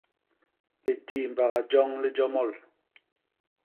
Litiimbaga joñ li jomol.